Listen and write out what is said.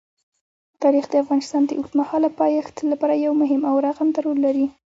تاریخ د افغانستان د اوږدمهاله پایښت لپاره یو مهم او رغنده رول لري.